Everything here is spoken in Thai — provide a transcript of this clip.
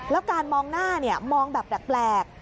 แล้วการมองหน้ามองแบบแปลก